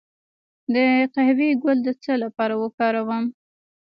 د قهوې ګل د څه لپاره وکاروم؟